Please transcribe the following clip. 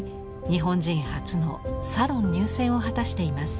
日本人初のサロン入選を果たしています。